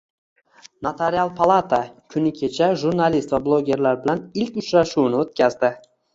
Notarial palata kuni-kecha jurnalist va blogerlar bilan ilk uchrashuvini oʻtkazdi.